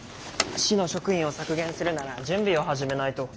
市の職員を削減するなら準備を始めないと。